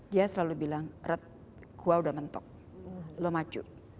dia selalu bilang red gue sudah mentok lo maju